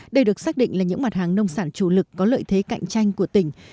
đây được xác định là những mặt hàng nông sản chủ lực có lợi thế cạnh tranh của tỉnh